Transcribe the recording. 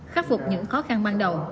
khắc phục những khó khăn ban đầu